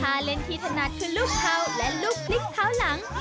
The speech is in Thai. ถ้าเล่นที่ถนัดคือลูกเทาและลูกพริกเท้าหลัง